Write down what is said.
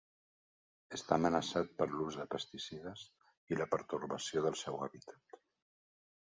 Està amenaçat per l'ús de pesticides i la pertorbació del seu hàbitat.